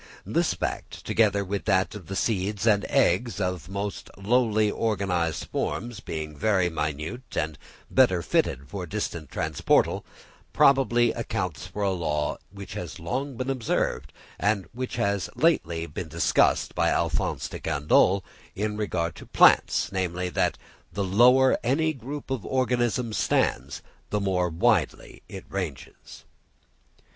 This fact, together with that of the seeds and eggs of most lowly organised forms being very minute and better fitted for distant transportal, probably accounts for a law which has long been observed, and which has lately been discussed by Alph. de Candolle in regard to plants, namely, that the lower any group of organisms stands the more widely it ranges.